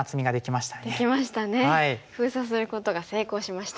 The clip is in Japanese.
封鎖することが成功しましたね。